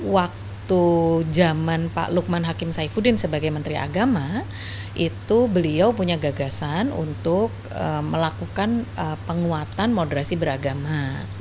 waktu zaman pak lukman hakim saifuddin sebagai menteri agama itu beliau punya gagasan untuk melakukan penguatan moderasi beragama